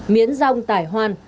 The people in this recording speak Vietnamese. miến rong tài hoan